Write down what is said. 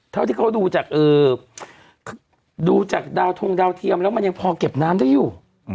เท่าที่เขาดูจากดูจากดาวทงดาวเทียมแล้วมันยังพอเก็บน้ำได้อยู่